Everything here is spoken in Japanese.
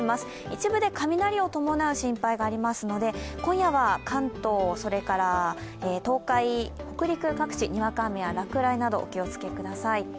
一部で雷を伴う心配がありますので、今夜は関東、それから東海、北陸各地にわか雨や落雷など、お気をつけください。